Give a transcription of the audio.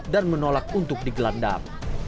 dan menolak untuk digelandam